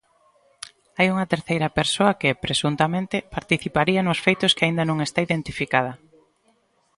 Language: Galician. Hai unha terceira persoa que, presuntamente, participaría nos feitos que aínda non está identificada.